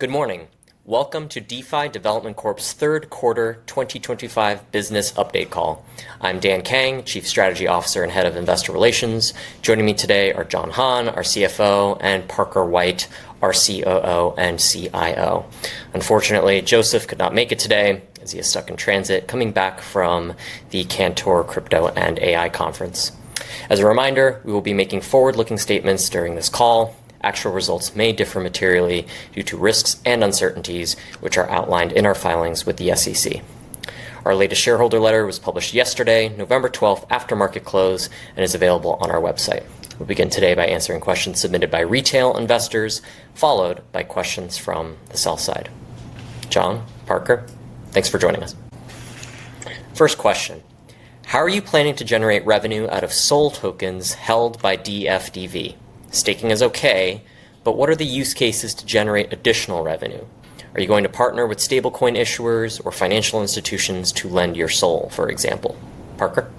Good morning. Welcome to DeFi Development Corp's third quarter 2025 Business Update Call. I'm Dan Kang, Chief Strategy Officer and Head of Investor Relations. Joining me today are John Hahn, our CFO, and Parker White, our COO and CIO. Unfortunately, Joseph could not make it today as he is stuck in transit coming back from the Cantor Crypto and AI Conference. As a reminder, we will be making forward-looking statements during this call. Actual results may differ materially due to risks and uncertainties, which are outlined in our filings with the SEC. Our latest shareholder letter was published yesterday, November 12th, after market close, and is available on our website. We'll begin today by answering questions submitted by retail investors, followed by questions from the sell side. John, Parker, thanks for joining us. First question: How are you planning to generate revenue out of SOL tokens held by DFDV? Staking is okay, but what are the use cases to generate additional revenue? Are you going to partner with stablecoin issuers or financial institutions to lend your SOL, for example? Parker?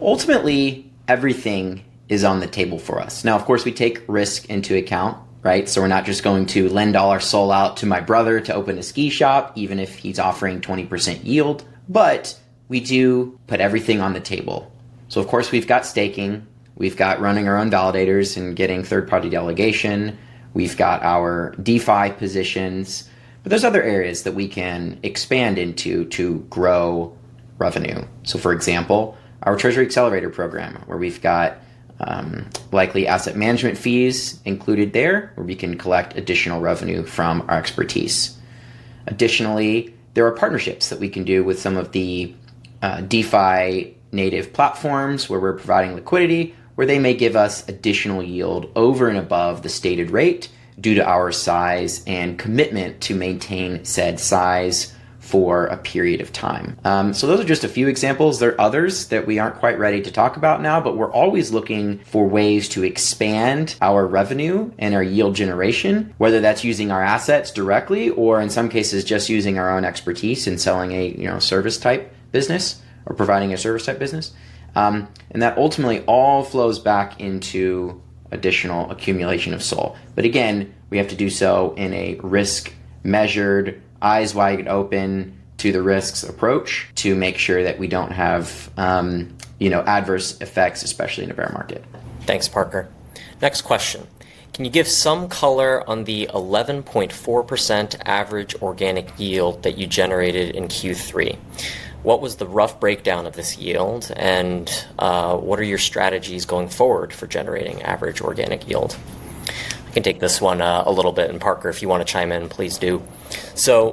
Ultimately, everything is on the table for us. Now, of course, we take risk into account, right. We are not just going to lend all our SOL out to my brother to open a ski shop, even if he is offering 20% yield. We do put everything on the table. Of course, we have got staking, we have got running our own validators and getting third-party delegation, we have got our DeFi positions, but there are other areas that we can expand into to grow revenue. For example, our Treasury Accelerator program, where we have got likely asset management fees included there, where we can collect additional revenue from our expertise. Additionally, there are partnerships that we can do with some of the DeFi native platforms where we're providing liquidity, where they may give us additional yield over and above the stated rate due to our size and commitment to maintain said size for a period of time. Those are just a few examples. There are others that we aren't quite ready to talk about now, but we're always looking for ways to expand our revenue and our yield generation, whether that's using our assets directly or, in some cases, just using our own expertise and selling a service-type business or providing a service-type business. That ultimately all flows back into additional accumulation of SOL. Again, we have to do so in a risk-measured, eyes-wide-open-to-the-risk approach to make sure that we don't have adverse effects, especially in a bear market. Thanks, Parker. Next question: Can you give some color on the 11.4% average organic yield that you generated in Q3? What was the rough breakdown of this yield, and what are your strategies going forward for generating average organic yield? I can take this one a little bit, and Parker, if you want to chime in, please do.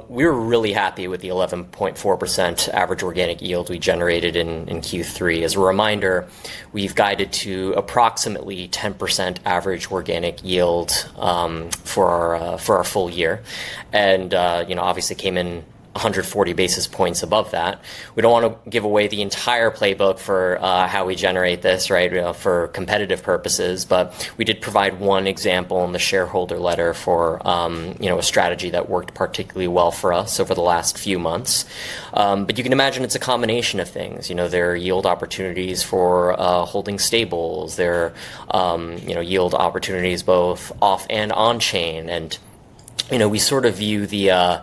We are really happy with the 11.4% average organic yield we generated in Q3. As a reminder, we have guided to approximately 10% average organic yield for our full year, and obviously came in 140 basis points above that. We do not want to give away the entire playbook for how we generate this, right, for competitive purposes, but we did provide one example in the shareholder letter for a strategy that worked particularly well for us over the last few months. You can imagine it is a combination of things. There are yield opportunities for holding stables. There are yield opportunities both off and on-chain. We sort of view the,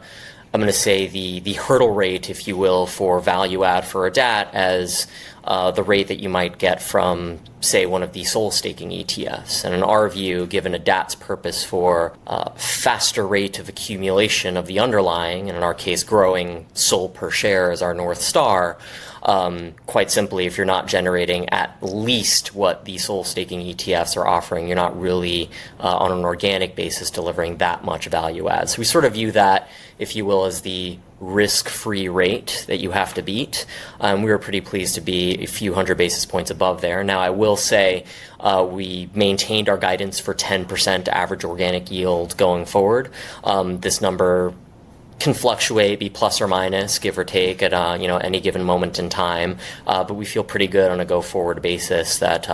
I'm going to say, the hurdle rate, if you will, for value-add for a DAT as the rate that you might get from, say, one of the SOL staking ETFs. In our view, given a DAT's purpose for a faster rate of accumulation of the underlying, and in our case, growing SOL per share is our North Star, quite simply, if you're not generating at least what the SOL staking ETFs are offering, you're not really, on an organic basis, delivering that much value-add. We sort of view that, if you will, as the risk-free rate that you have to beat. We were pretty pleased to be a few hundred basis points above there. Now, I will say we maintained our guidance for 10% average organic yield going forward. This number can fluctuate, be plus or minus, give or take at any given moment in time. We feel pretty good on a go-forward basis that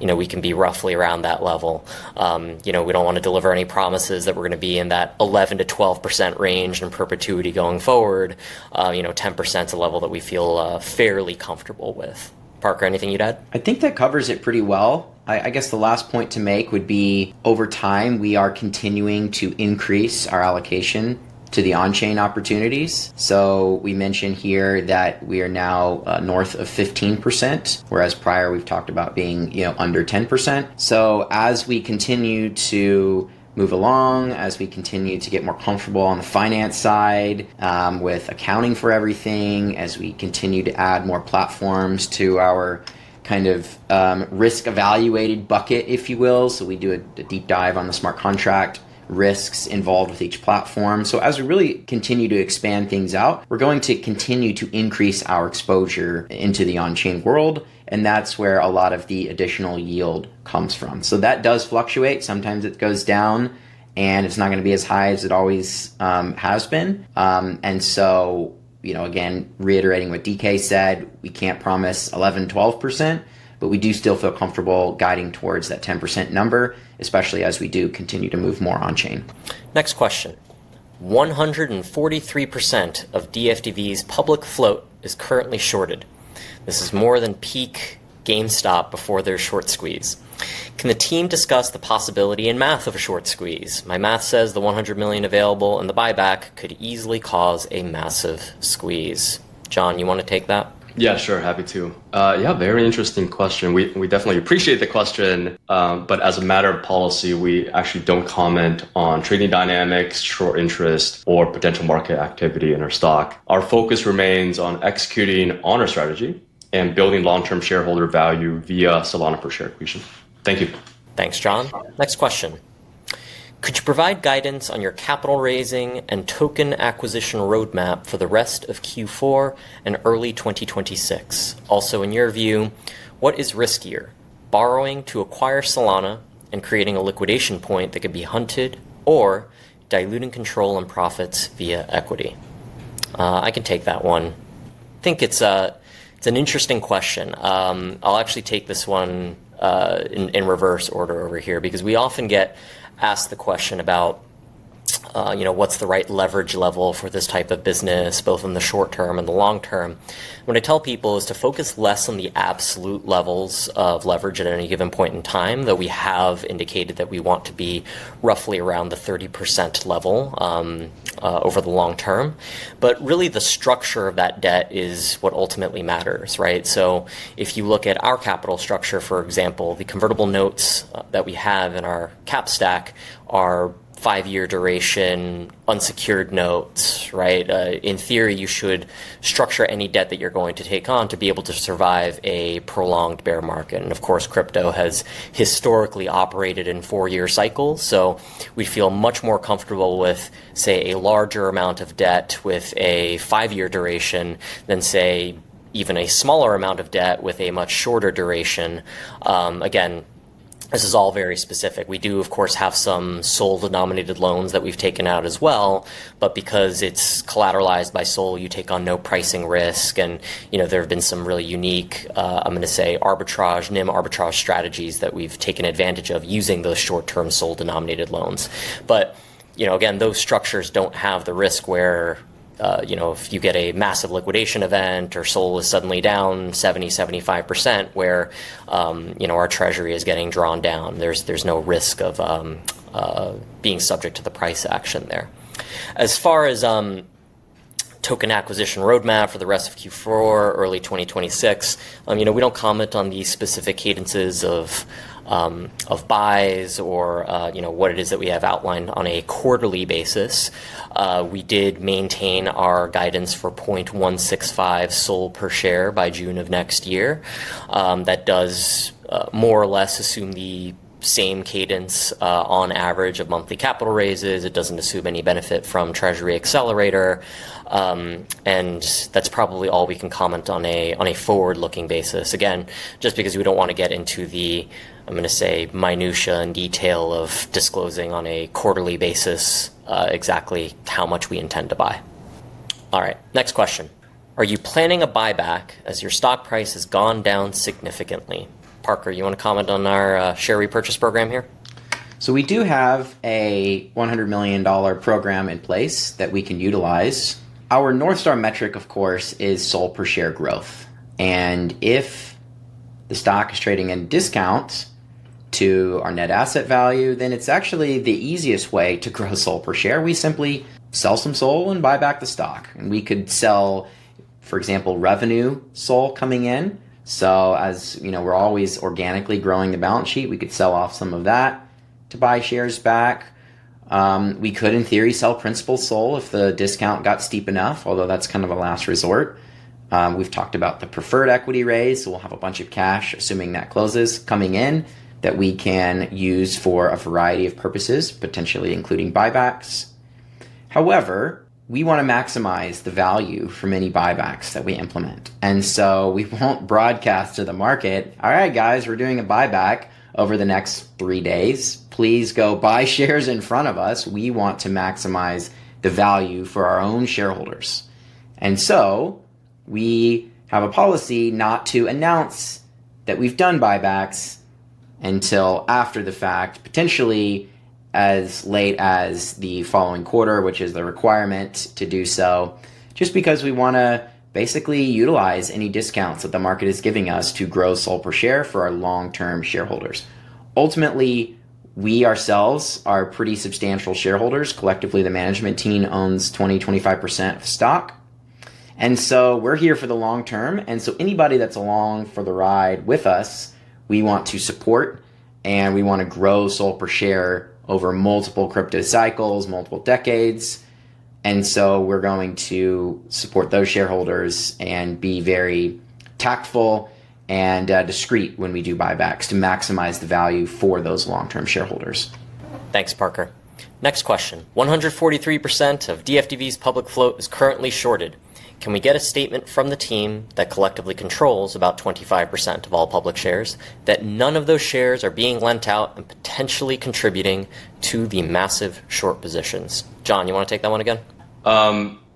we can be roughly around that level. We do not want to deliver any promises that we are going to be in that 11%-12% range in perpetuity going forward. 10% is a level that we feel fairly comfortable with. Parker, anything you would add? I think that covers it pretty well. I guess the last point to make would be, over time, we are continuing to increase our allocation to the on-chain opportunities. We mentioned here that we are now north of 15%, whereas prior we have talked about being under 10%. As we continue to move along, as we continue to get more comfortable on the finance side with accounting for everything, as we continue to add more platforms to our kind of risk-evaluated bucket, if you will, we do a deep dive on the smart contract risks involved with each platform. As we really continue to expand things out, we are going to continue to increase our exposure into the on-chain world, and that is where a lot of the additional yield comes from. That does fluctuate. Sometimes it goes down, and it's not going to be as high as it always has been. Again, reiterating what DK said, we can't promise 11%, 12%, but we do still feel comfortable guiding towards that 10% number, especially as we do continue to move more on-chain. Next question: 143% of DFDV's public float is currently shorted. This is more than peak GameStop before their short squeeze. Can the team discuss the possibility and math of a short squeeze? My math says the $100 million available and the buyback could easily cause a massive squeeze. John, you want to take that? Yeah, sure. Happy to. Yeah, very interesting question. We definitely appreciate the question, but as a matter of policy, we actually do not comment on trading dynamics, short interest, or potential market activity in our stock. Our focus remains on executing on our strategy and building long-term shareholder value via Solana per share acquisition. Thank you. Thanks, John. Next question: Could you provide guidance on your capital raising and token acquisition roadmap for the rest of Q4 and early 2026? Also, in your view, what is riskier: borrowing to acquire Solana and creating a liquidation point that could be hunted, or diluting control and profits via equity? I can take that one. I think it's an interesting question. I'll actually take this one in reverse order over here because we often get asked the question about what's the right leverage level for this type of business, both in the short term and the long term. What I tell people is to focus less on the absolute levels of leverage at any given point in time, though we have indicated that we want to be roughly around the 30% level over the long term. What really matters is the structure of that debt, right. If you look at our capital structure, for example, the convertible notes that we have in our cap stack are five-year duration unsecured notes, right. In theory, you should structure any debt that you're going to take on to be able to survive a prolonged bear market. Crypto has historically operated in four-year cycles, so we feel much more comfortable with, say, a larger amount of debt with a five-year duration than, say, even a smaller amount of debt with a much shorter duration. Again, this is all very specific. We do, of course, have some SOL-denominated loans that we've taken out as well, but because it's collateralized by SOL, you take on no pricing risk. There have been some really unique, I'm going to say, arbitrage, NIM arbitrage strategies that we've taken advantage of using those short-term SOL-denominated loans. Again, those structures do not have the risk where if you get a massive liquidation event or SOL is suddenly down 70%-75%, where our treasury is getting drawn down. There is no risk of being subject to the price action there. As far as token acquisition roadmap for the rest of Q4, early 2026, we do not comment on the specific cadences of buys or what it is that we have outlined on a quarterly basis. We did maintain our guidance for 0.165 SOL per share by June of next year. That does more or less assume the same cadence on average of monthly capital raises. It does not assume any benefit from Treasury Accelerator. That is probably all we can comment on a forward-looking basis. Again, just because we do not want to get into the, I am going to say, minutiae and detail of disclosing on a quarterly basis exactly how much we intend to buy. All right, next question: Are you planning a buyback as your stock price has gone down significantly? Parker, you want to comment on our share repurchase program here? We do have a $100 million program in place that we can utilize. Our North Star metric, of course, is SOL per share growth. If the stock is trading in discounts to our net asset value, then it's actually the easiest way to grow SOL per share. We simply sell some SOL and buy back the stock. We could sell, for example, revenue SOL coming in. As we're always organically growing the balance sheet, we could sell off some of that to buy shares back. We could, in theory, sell principal SOL if the discount got steep enough, although that's kind of a last resort. We've talked about the preferred equity raise, so we'll have a bunch of cash, assuming that closes, coming in that we can use for a variety of purposes, potentially including buybacks. However, we want to maximize the value from any buybacks that we implement. We will not broadcast to the market, "All right, guys, we're doing a buyback over the next three days. Please go buy shares in front of us." We want to maximize the value for our own shareholders. We have a policy not to announce that we have done buybacks until after the fact, potentially as late as the following quarter, which is the requirement to do so, just because we want to basically utilize any discounts that the market is giving us to grow SOL per share for our long-term shareholders. Ultimately, we ourselves are pretty substantial shareholders. Collectively, the management team owns 20%-25% of the stock. We are here for the long term. Anybody that's along for the ride with us, we want to support, and we want to grow SOL per share over multiple crypto cycles, multiple decades. We are going to support those shareholders and be very tactful and discreet when we do buybacks to maximize the value for those long-term shareholders. Thanks, Parker. Next question: 143% of DFDV's public float is currently shorted. Can we get a statement from the team that collectively controls about 25% of all public shares that none of those shares are being lent out and potentially contributing to the massive short positions? John, you want to take that one again?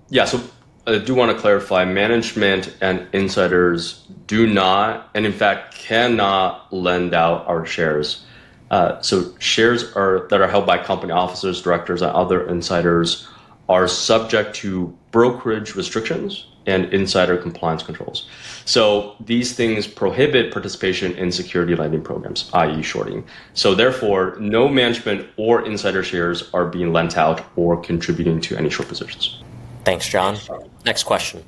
Yeah, so I do want to clarify. Management and insiders do not, and in fact, cannot lend out our shares. Shares that are held by company officers, directors, and other insiders are subject to brokerage restrictions and insider compliance controls. These things prohibit participation in security lending programs, i.e., shorting. Therefore, no management or insider shares are being lent out or contributing to any short positions. Thanks, John. Next question: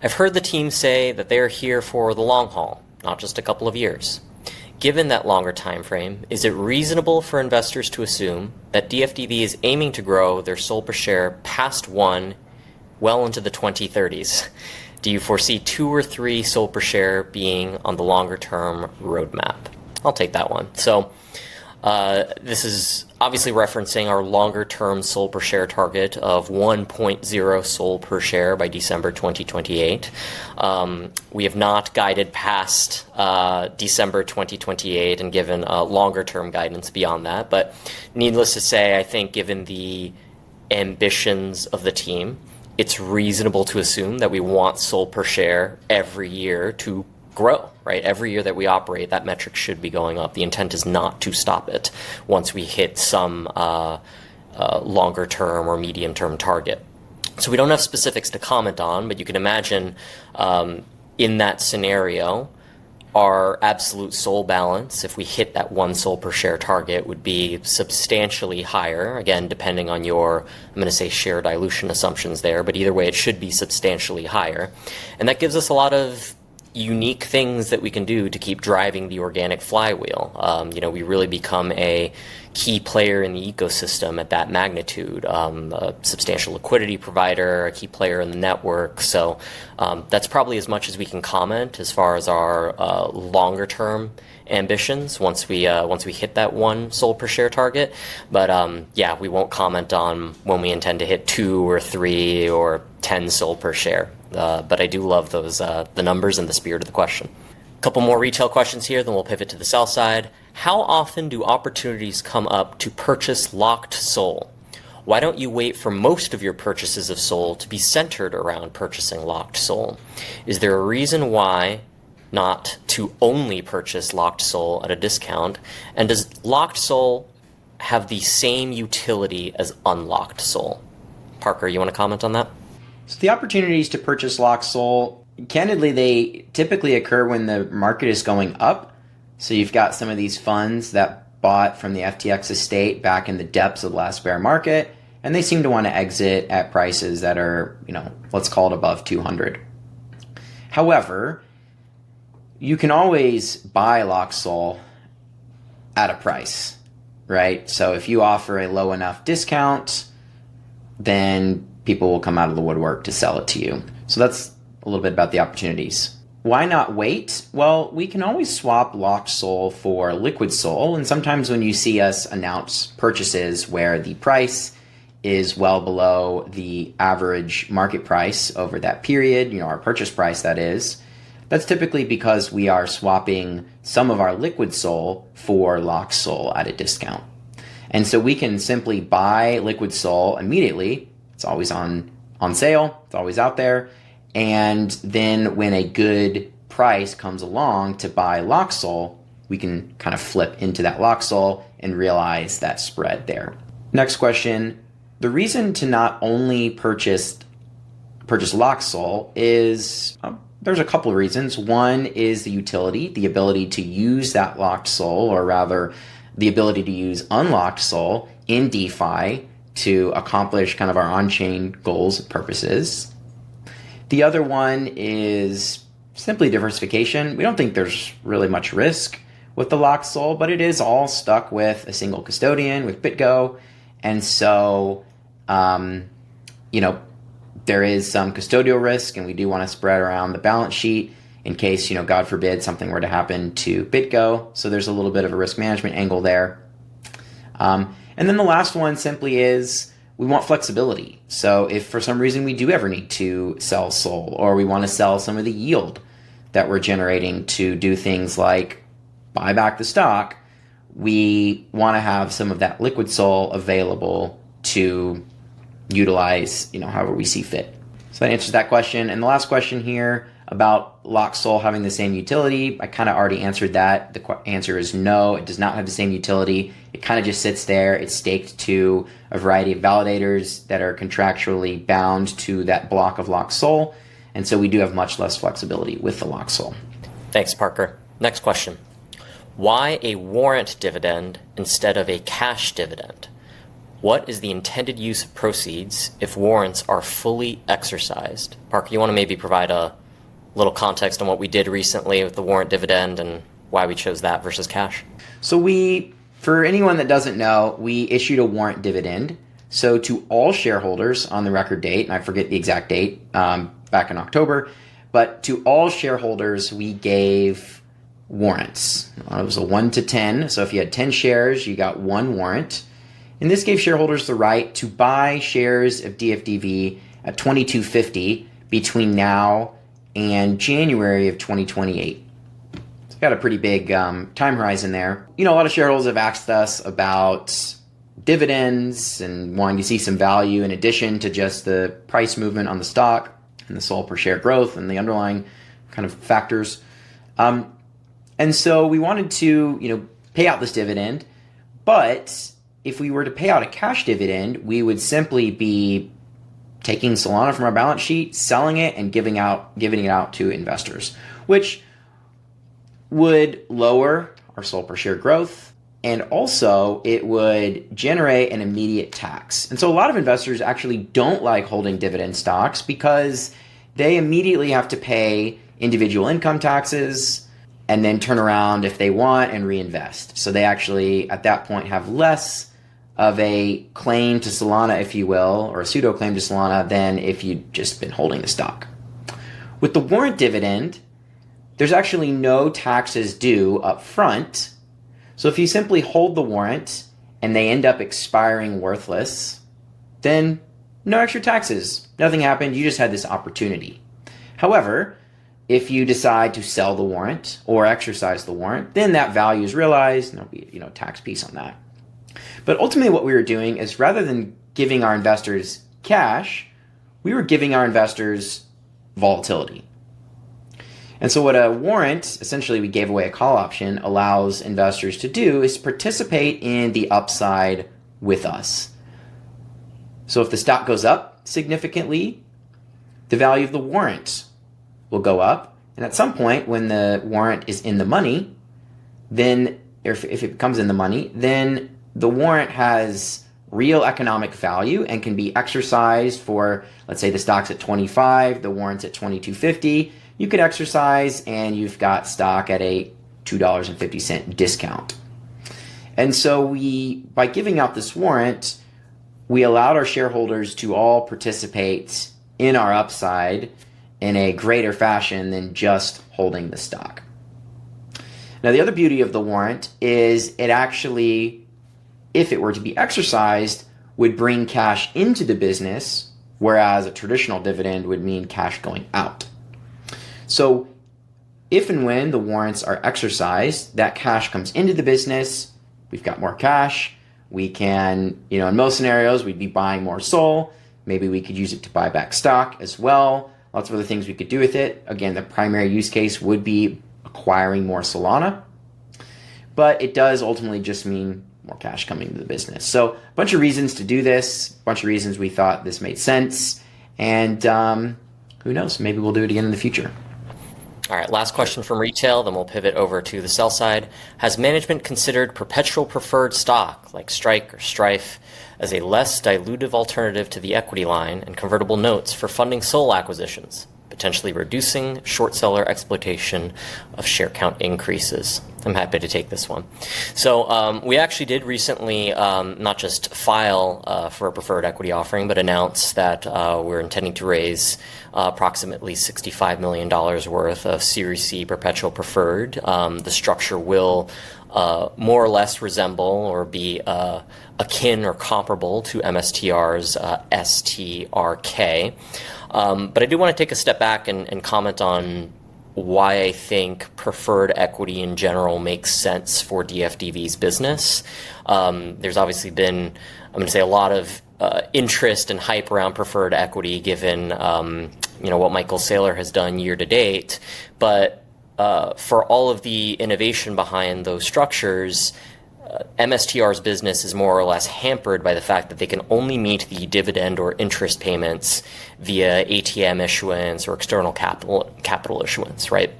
I've heard the team say that they are here for the long haul, not just a couple of years. Given that longer time frame, is it reasonable for investors to assume that DFDV is aiming to grow their SOL per share past one well into the 2030s? Do you foresee two or three SOL per share being on the longer-term roadmap? I'll take that one. This is obviously referencing our longer-term SOL per share target of 1.0 SOL per share by December 2028. We have not guided past December 2028 and given a longer-term guidance beyond that. Needless to say, I think given the ambitions of the team, it's reasonable to assume that we want SOL per share every year to grow, right. Every year that we operate, that metric should be going up. The intent is not to stop it once we hit some longer-term or medium-term target. We do not have specifics to comment on, but you can imagine in that scenario, our absolute SOL balance, if we hit that one SOL per share target, would be substantially higher. Again, depending on your, I'm going to say, share dilution assumptions there, but either way, it should be substantially higher. That gives us a lot of unique things that we can do to keep driving the organic flywheel. We really become a key player in the ecosystem at that magnitude, a substantial liquidity provider, a key player in the network. That is probably as much as we can comment as far as our longer-term ambitions once we hit that one SOL per share target. Yeah, we will not comment on when we intend to hit two or three or ten SOL per share. I do love the numbers and the spirit of the question. A couple more retail questions here, then we will pivot to the sell side. How often do opportunities come up to purchase locked SOL? Why do you not wait for most of your purchases of SOL to be centered around purchasing locked SOL? Is there a reason why not to only purchase locked SOL at a discount? Does locked SOL have the same utility as unlocked SOL? Parker, you want to comment on that? The opportunities to purchase locked SOL, candidly, they typically occur when the market is going up. You have some of these funds that bought from the FTX estate back in the depths of the last bear market, and they seem to want to exit at prices that are, let's call it, above $200. However, you can always buy locked SOL at a price, right. If you offer a low enough discount, then people will come out of the woodwork to sell it to you. That is a little bit about the opportunities. Why not wait? We can always swap locked SOL for liquid SOL. Sometimes when you see us announce purchases where the price is well below the average market price over that period, our purchase price, that is, that's typically because we are swapping some of our liquid SOL for locked SOL at a discount. We can simply buy liquid SOL immediately. It's always on sale. It's always out there. When a good price comes along to buy locked SOL, we can kind of flip into that locked SOL and realize that spread there. Next question: The reason to not only purchase locked SOL is there's a couple of reasons. One is the utility, the ability to use that locked SOL, or rather the ability to use unlocked SOL in DeFi to accomplish kind of our on-chain goals and purposes. The other one is simply diversification. We don't think there's really much risk with the locked SOL, but it is all stuck with a single custodian with Bitgo. There is some custodial risk, and we do want to spread around the balance sheet in case, God forbid, something were to happen to Bitgo. There is a little bit of a risk management angle there. The last one simply is we want flexibility. If for some reason we do ever need to sell SOL or we want to sell some of the yield that we're generating to do things like buy back the stock, we want to have some of that liquid SOL available to utilize however we see fit. That answers that question. The last question here about locked SOL having the same utility, I kind of already answered that. The answer is no. It does not have the same utility. It kind of just sits there. It's staked to a variety of validators that are contractually bound to that block of locked SOL. We do have much less flexibility with the locked SOL. Thanks, Parker. Next question: Why a warrant dividend instead of a cash dividend? What is the intended use of proceeds if warrants are fully exercised? Parker, you want to maybe provide a little context on what we did recently with the warrant dividend and why we chose that versus cash? For anyone that does not know, we issued a warrant dividend. To all shareholders on the record date, and I forget the exact date back in October, but to all shareholders, we gave warrants. It was a one to ten. If you had 10 shares, you got one warrant. This gave shareholders the right to buy shares of DFDV at $22.50 between now and January 2028. It has a pretty big time horizon there. A lot of shareholders have asked us about dividends and wanting to see some value in addition to just the price movement on the stock and the SOL per share growth and the underlying kind of factors. We wanted to pay out this dividend, but if we were to pay out a cash dividend, we would simply be taking Solana from our balance sheet, selling it, and giving it out to investors, which would lower our SOL per share growth. It would also generate an immediate tax. A lot of investors actually do not like holding dividend stocks because they immediately have to pay individual income taxes and then turn around if they want and reinvest. They actually, at that point, have less of a claim to Solana, if you will, or a pseudo-claim to Solana than if you had just been holding the stock. With the warrant dividend, there are actually no taxes due upfront. If you simply hold the warrant and they end up expiring worthless, then no extra taxes. Nothing happened. You just had this opportunity. However, if you decide to sell the warrant or exercise the warrant, then that value is realized and there'll be a tax piece on that. Ultimately, what we were doing is rather than giving our investors cash, we were giving our investors volatility. What a warrant, essentially we gave away a call option, allows investors to do is participate in the upside with us. If the stock goes up significantly, the value of the warrant will go up. At some point, when the warrant is in the money, if it becomes in the money, then the warrant has real economic value and can be exercised for, let's say, the stock's at $25, the warrant's at $22.50, you could exercise and you've got stock at a $2.50 discount. By giving out this warrant, we allowed our shareholders to all participate in our upside in a greater fashion than just holding the stock. The other beauty of the warrant is it actually, if it were to be exercised, would bring cash into the business, whereas a traditional dividend would mean cash going out. If and when the warrants are exercised, that cash comes into the business, we've got more cash. In most scenarios, we'd be buying more SOL. Maybe we could use it to buy back stock as well. Lots of other things we could do with it. Again, the primary use case would be acquiring more Solana, but it does ultimately just mean more cash coming into the business. A bunch of reasons to do this, a bunch of reasons we thought this made sense. Who knows? Maybe we'll do it again in the future. All right, last question from retail, then we'll pivot over to the sell side. Has management considered perpetual preferred stock like STRK or Strife as a less dilutive alternative to the equity line and convertible notes for funding SOL acquisitions, potentially reducing short seller exploitation of share count increases? I'm happy to take this one. We actually did recently not just file for a preferred equity offering, but announce that we're intending to raise approximately $65 million worth of Series C perpetual preferred. The structure will more or less resemble or be akin or comparable to MSTR's STRK. I do want to take a step back and comment on why I think preferred equity in general makes sense for DFDV's business. There's obviously been, I'm going to say, a lot of interest and hype around preferred equity given what Michael Saylor has done year to date. For all of the innovation behind those structures, MSTR's business is more or less hampered by the fact that they can only meet the dividend or interest payments via ATM issuance or external capital issuance, right.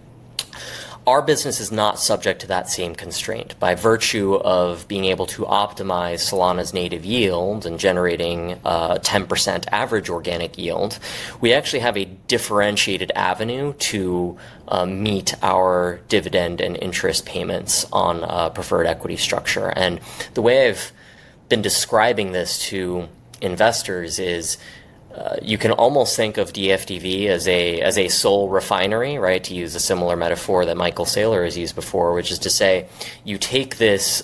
Our business is not subject to that same constraint. By virtue of being able to optimize Solana's native yield and generating a 10% average organic yield, we actually have a differentiated avenue to meet our dividend and interest payments on a preferred equity structure. The way I've been describing this to investors is you can almost think of DFDV as a SOL refinery, right. To use a similar metaphor that Michael Saylor has used before, which is to say you take this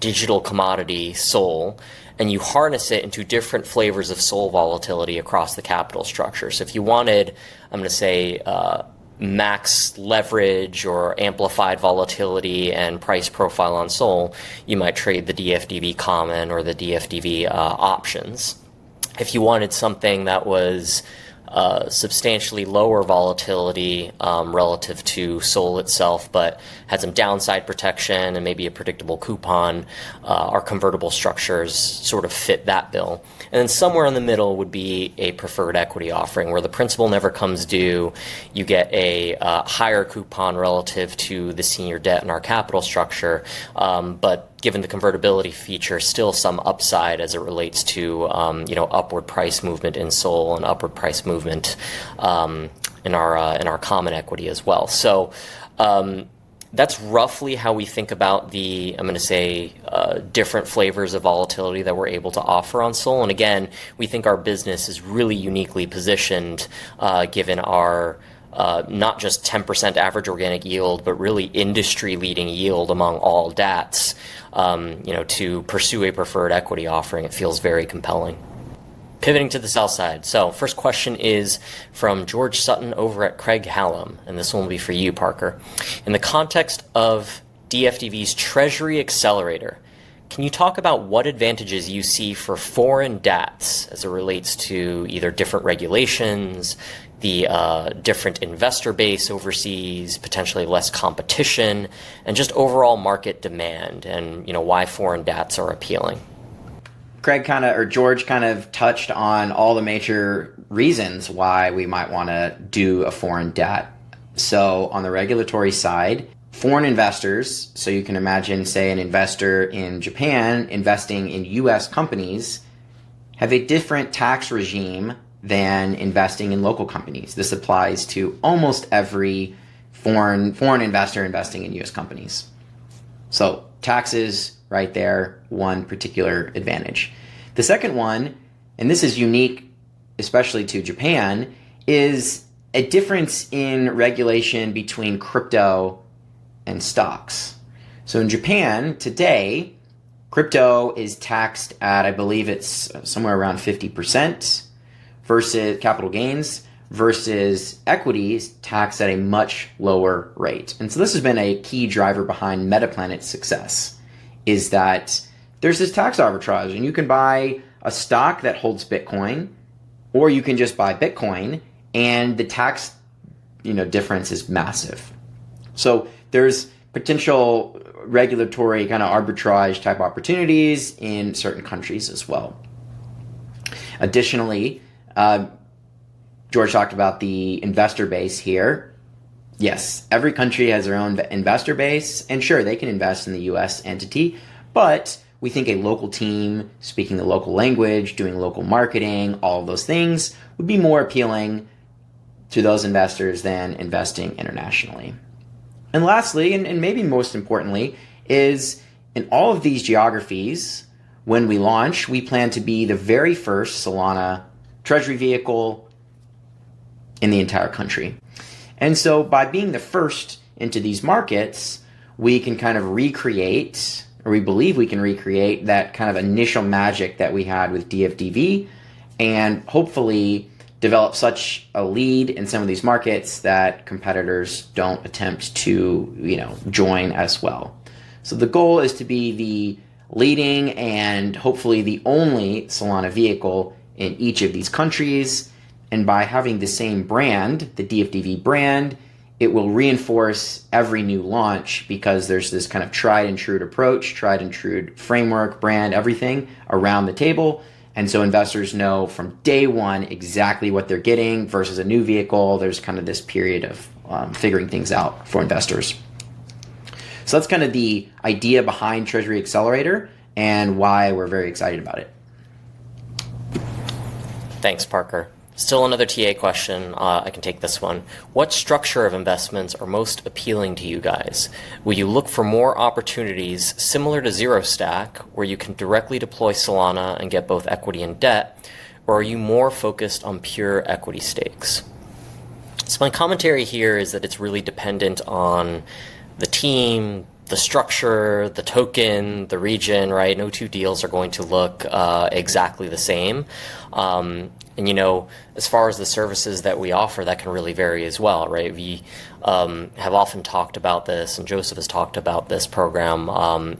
digital commodity SOL and you harness it into different flavors of SOL volatility across the capital structure. If you wanted, I'm going to say, max leverage or amplified volatility and price profile on SOL, you might trade the DFDV Common or the DFDV Options. If you wanted something that was substantially lower volatility relative to SOL itself but had some downside protection and maybe a predictable coupon, our convertible structures sort of fit that bill. Somewhere in the middle would be a preferred equity offering where the principal never comes due. You get a higher coupon relative to the senior debt in our capital structure. Given the convertibility feature, still some upside as it relates to upward price movement in SOL and upward price movement in our Common equity as well. That's roughly how we think about the, I'm going to say, different flavors of volatility that we're able to offer on SOL. We think our business is really uniquely positioned given our not just 10% average organic yield, but really industry-leading yield among all DATs to pursue a preferred equity offering. It feels very compelling. Pivoting to the sell side. First question is from George Sutton over at Craig-Hallum. This one will be for you, Parker. In the context of DFDV's Treasury Accelerator, can you talk about what advantages you see for foreign DATs as it relates to either different regulations, the different investor base overseas, potentially less competition, and just overall market demand, and why foreign DATs are appealing? Greg kind of or George kind of touched on all the major reasons why we might want to do a foreign DAT. On the regulatory side, foreign investors, so you can imagine, say, an investor in Japan investing in U.S. companies have a different tax regime than investing in local companies. This applies to almost every foreign investor investing in U.S. companies. Taxes right there, one particular advantage. The second one, and this is unique especially to Japan, is a difference in regulation between crypto and stocks. In Japan today, crypto is taxed at, I believe it's somewhere around 50% versus capital gains versus equities taxed at a much lower rate. This has been a key driver behind Metaplanet's success is that there's this tax arbitrage. You can buy a stock that holds Bitcoin, or you can just buy Bitcoin, and the tax difference is massive. There is potential regulatory kind of arbitrage type opportunities in certain countries as well. Additionally, George talked about the investor base here. Yes, every country has their own investor base. Sure, they can invest in the U.S. entity, but we think a local team speaking the local language, doing local marketing, all of those things would be more appealing to those investors than investing internationally. Lastly, and maybe most importantly, is in all of these geographies, when we launch, we plan to be the very first Solana treasury vehicle in the entire country. By being the first into these markets, we can kind of recreate, or we believe we can recreate that kind of initial magic that we had with DFDV and hopefully develop such a lead in some of these markets that competitors do not attempt to join as well. The goal is to be the leading and hopefully the only Solana vehicle in each of these countries. By having the same brand, the DFDV brand, it will reinforce every new launch because there is this kind of tried and true approach, tried and true framework, brand, everything around the table. Investors know from day one exactly what they are getting versus a new vehicle. There is kind of this period of figuring things out for investors. That is kind of the idea behind Treasury Accelerator and why we are very excited about it. Thanks, Parker. Still another TA question. I can take this one. What structure of investments are most appealing to you guys? Will you look for more opportunities similar to Zero Stack where you can directly deploy Solana and get both equity and debt, or are you more focused on pure equity stakes? My commentary here is that it's really dependent on the team, the structure, the token, the region, right. No two deals are going to look exactly the same. As far as the services that we offer, that can really vary as well, right. We have often talked about this, and Joseph has talked about this program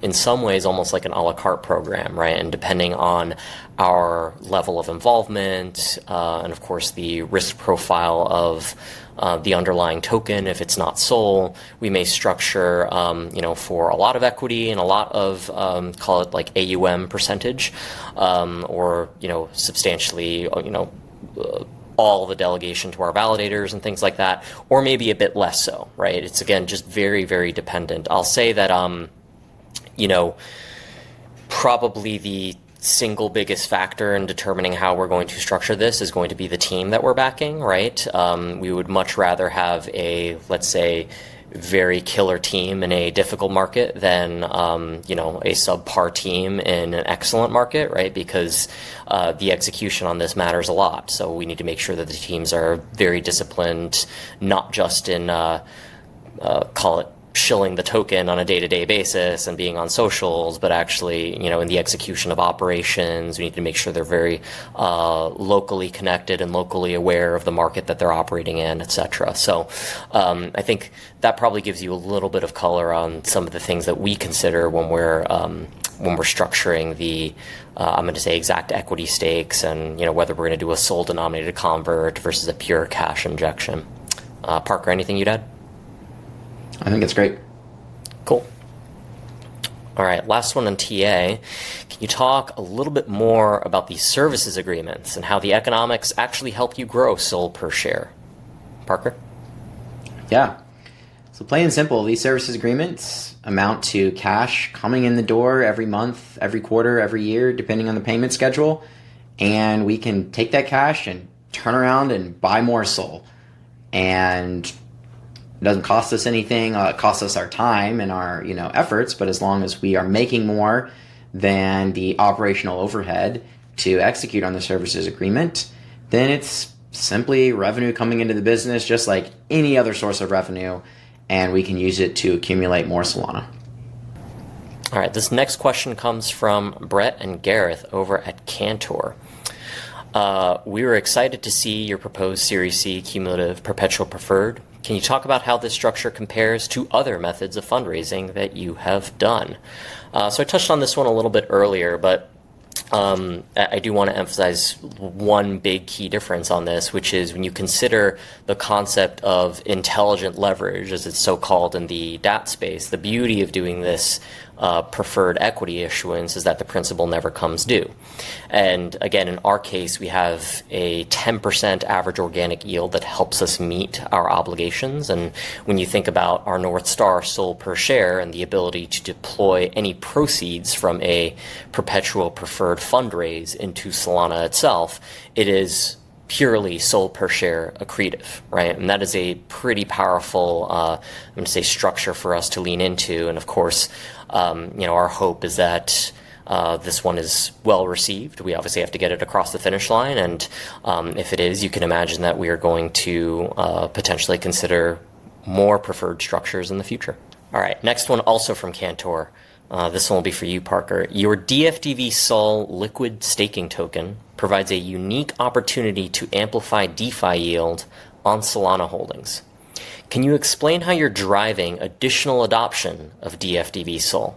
in some ways almost like an à la carte program, right. Depending on our level of involvement and, of course, the risk profile of the underlying token, if it is not SOL, we may structure for a lot of equity and a lot of, call it like AUM percentage or substantially all the delegation to our validators and things like that, or maybe a bit less so, right. It is, again, just very, very dependent. I will say that probably the single biggest factor in determining how we are going to structure this is going to be the team that we are backing, right. We would much rather have a, let's say, very killer team in a difficult market than a subpar team in an excellent market, right. Because the execution on this matters a lot. We need to make sure that the teams are very disciplined, not just in, call it shilling the token on a day-to-day basis and being on socials, but actually in the execution of operations. We need to make sure they are very locally connected and locally aware of the market that they are operating in, et cetera. I think that probably gives you a little bit of color on some of the things that we consider when we are structuring the, I am going to say, exact equity stakes and whether we are going to do a SOL denominated convert versus a pure cash injection. Parker, anything you would add? I think it's great. Cool. All right, last one on TA. Can you talk a little bit more about the services agreements and how the economics actually help you grow SOL per share, Parker? Yeah. Plain and simple, these services agreements amount to cash coming in the door every month, every quarter, every year depending on the payment schedule. We can take that cash and turn around and buy more SOL. It does not cost us anything. It costs us our time and our efforts. As long as we are making more than the operational overhead to execute on the services agreement, then it is simply revenue coming into the business just like any other source of revenue, and we can use it to accumulate more Solana. All right, this next question comes from Brett and Gareth over at Cantor. We were excited to see your proposed Series C cumulative perpetual preferred. Can you talk about how this structure compares to other methods of fundraising that you have done? I touched on this one a little bit earlier, but I do want to emphasize one big key difference on this, which is when you consider the concept of intelligent leverage, as it is so called in the DAT space, the beauty of doing this preferred equity issuance is that the principal never comes due. Again, in our case, we have a 10% average organic yield that helps us meet our obligations. When you think about our North Star SOL per share and the ability to deploy any proceeds from a perpetual preferred fundraise into Solana itself, it is purely SOL per share accretive, right. That is a pretty powerful, I'm going to say, structure for us to lean into. Of course, our hope is that this one is well received. We obviously have to get it across the finish line. If it is, you can imagine that we are going to potentially consider more preferred structures in the future. Next one also from Cantor. This one will be for you, Parker. Your dfdvSOL liquid staking token provides a unique opportunity to amplify DeFi yield on Solana holdings. Can you explain how you're driving additional adoption of dfdvSOL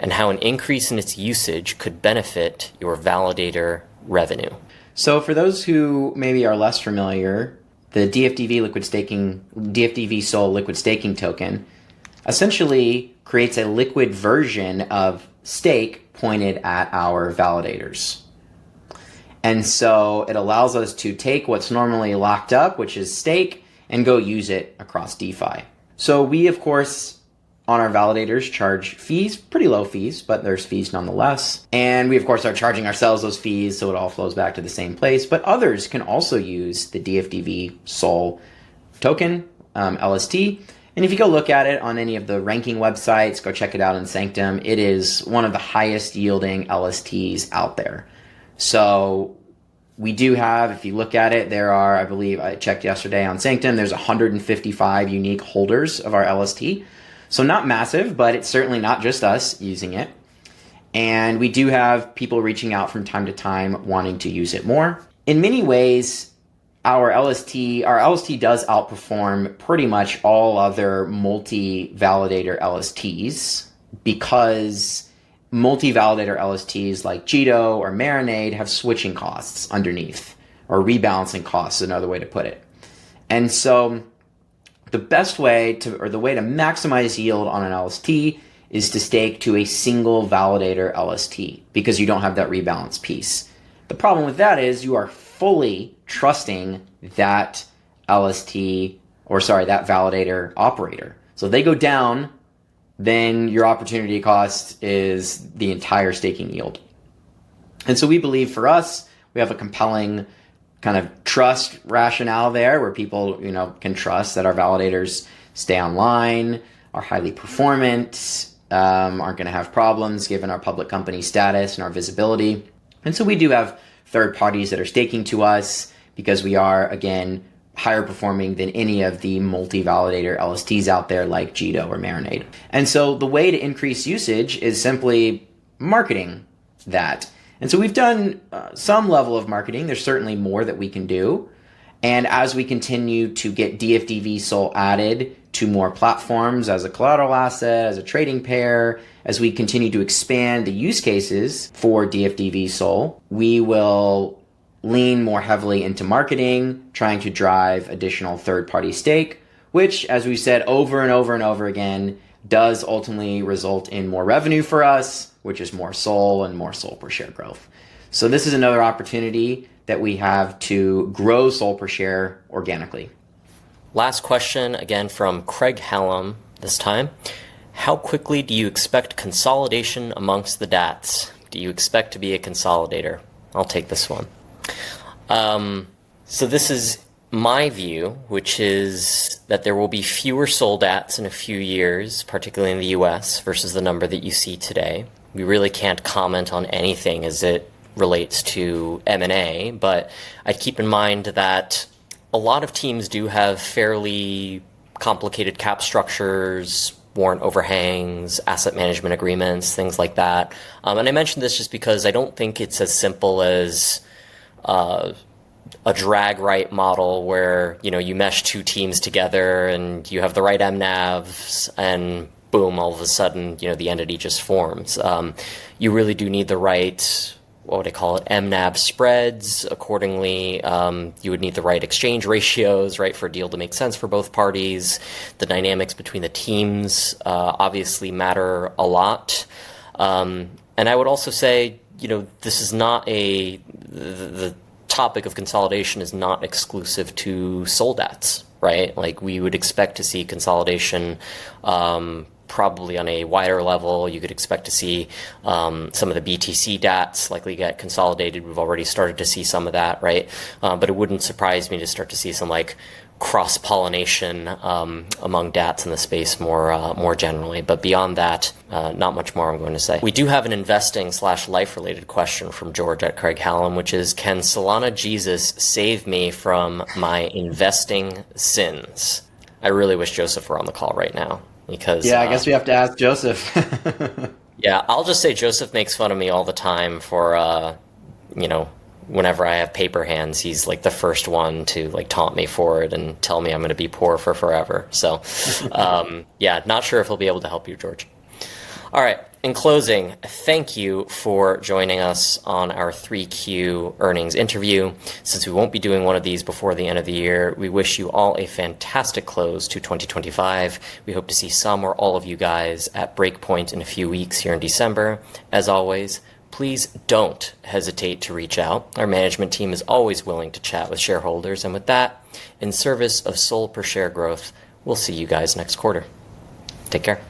and how an increase in its usage could benefit your validator revenue? For those who maybe are less familiar, the dfdvSOL liquid staking token essentially creates a liquid version of stake pointed at our validators. It allows us to take what is normally locked up, which is stake, and go use it across DeFi. We, of course, on our validators charge fees, pretty low fees, but there are fees nonetheless. We, of course, are charging ourselves those fees, so it all flows back to the same place. Others can also use the dfdvSOL token LST. If you go look at it on any of the ranking websites, go check it out on Sanctum, it is one of the highest yielding LSTs out there. We do have, if you look at it, there are, I believe I checked yesterday on Sanctum, 155 unique holders of our LST. is not massive, but it is certainly not just us using it. We do have people reaching out from time to time wanting to use it more. In many ways, our LST does outperform pretty much all other multi-validator LSTs because multi-validator LSTs like Jito or Marinade have switching costs underneath or rebalancing costs, another way to put it. The best way to, or the way to maximize yield on an LST is to stake to a single validator LST because you do not have that rebalance piece. The problem with that is you are fully trusting that LST or, sorry, that validator operator. If they go down, then your opportunity cost is the entire staking yield. We believe for us, we have a compelling kind of trust rationale there where people can trust that our validators stay online, are highly performant, are not going to have problems given our public company status and our visibility. We do have third parties that are staking to us because we are, again, higher performing than any of the multi-validator LSTs out there like Jito or Marinade. The way to increase usage is simply marketing that. We have done some level of marketing. There is certainly more that we can do. As we continue to get dfdvSOL added to more platforms as a collateral asset, as a trading pair, as we continue to expand the use cases for dfdvSOL, we will lean more heavily into marketing, trying to drive additional third-party stake, which, as we said over and over again, does ultimately result in more revenue for us, which is more SOL and more SOL per share growth. This is another opportunity that we have to grow SOL per share organically. Last question again from Craig-Hallum this time. How quickly do you expect consolidation amongst the DATs? Do you expect to be a consolidator? I'll take this one. This is my view, which is that there will be fewer SOL DATs in a few years, particularly in the U.S. versus the number that you see today. We really can't comment on anything as it relates to M&A, but I'd keep in mind that a lot of teams do have fairly complicated cap structures, warrant overhangs, asset management agreements, things like that. I mention this just because I don't think it's as simple as a drag-right model where you mesh two teams together and you have the right MNAVs and boom, all of a sudden, the entity just forms. You really do need the right, what would I call it, MNAV spreads accordingly. You would need the right exchange ratios, right, for a deal to make sense for both parties. The dynamics between the teams obviously matter a lot. I would also say this is not a, the topic of consolidation is not exclusive to SOL DATs, right. Like we would expect to see consolidation probably on a wider level. You could expect to see some of the BTC DATs likely get consolidated. We've already started to see some of that, right. It would not surprise me to start to see some cross-pollination among DATs in the space more generally. Beyond that, not much more I'm going to say. We do have an investing/life-related question from George Sutton at Craig-Hallum, which is, can Solana Jesus save me from my investing sins? I really wish Joseph were on the call right now because. Yeah, I guess we have to ask Joseph. Yeah, I'll just say Joseph makes fun of me all the time for whenever I have paper hands, he's like the first one to taunt me for it and tell me I'm going to be poor for forever. So yeah, not sure if he'll be able to help you, George. All right, in closing, thank you for joining us on our 3Q earnings interview. Since we won't be doing one of these before the end of the year, we wish you all a fantastic close to 2025. We hope to see some or all of you guys at breakpoint in a few weeks here in December. As always, please don't hesitate to reach out. Our management team is always willing to chat with shareholders. And with that, in service of SOL per share growth, we'll see you guys next quarter. Take care.